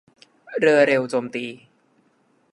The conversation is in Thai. เรือเร็วโจมตี